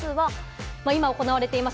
まずは今、行われています